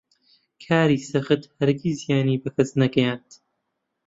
کاری سەخت هەرگیز زیانی بە کەس نەگەیاند.